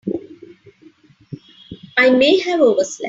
I may have overslept.